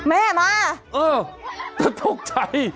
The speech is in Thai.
แม่มาเออโดรคใจ